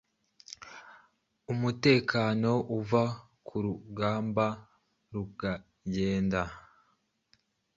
Umutekano uva kurugamba ukagenda